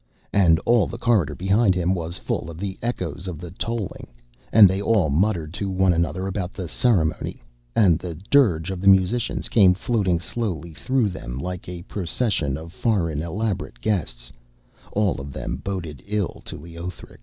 And all the corridor behind him was full of the echoes of the tolling, and they all muttered to one another about the ceremony; and the dirge of the musicians came floating slowly through them like a procession of foreign elaborate guests, and all of them boded ill to Leothric.